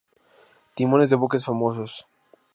Timones de buques famosos